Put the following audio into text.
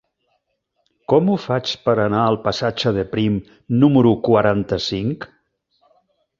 Com ho faig per anar al passatge de Prim número quaranta-cinc?